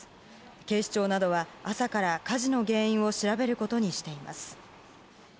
警視庁などは朝から火事の原因を調べることにしています。